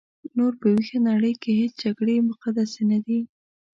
نور په ویښه نړۍ کې هیڅ جګړې مقدسې نه دي.